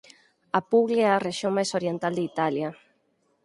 A Puglia é a rexión máis oriental de Italia.